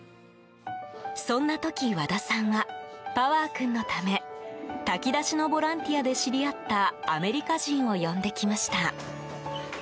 そんな時、和田さんはパワー君のため炊き出しのボランティアで知り合ったアメリカ人を呼んできました。